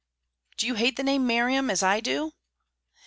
"Do you hate the name Miriam, as I do?"